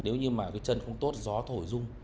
nếu như mà chân không tốt thì gió thổi rung